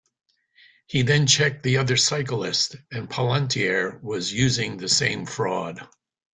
He then checked the other cyclists, and Pollentier was using the same fraud.